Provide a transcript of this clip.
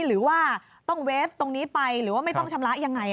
หรือว่าต้องเวฟตรงนี้ไปหรือว่าไม่ต้องชำระยังไง